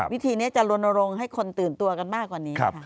วิธีเนี่ยจะลงให้คนตื่นตัวกันมากกว่านี้